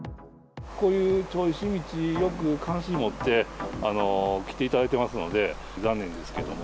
こういう町石道、関心を持って来ていただいてますので、残念ですけれども。